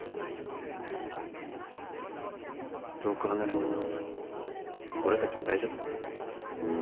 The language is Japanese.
遠く離れても俺たちは大丈夫だ。